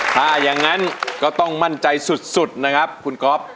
ถ้าอย่างนั้นก็ต้องมั่นใจสุดนะครับคุณก๊อฟ